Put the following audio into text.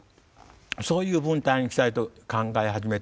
そういう文体にしたいと考え始めて。